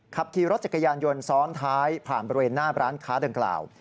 ขับขี่รถจักรยานยนต์ซ้อนท้ายผ่านบริเวณหน้าร้านค้าดังกล่าว